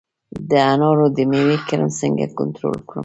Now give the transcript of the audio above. د انارو د میوې کرم څنګه کنټرول کړم؟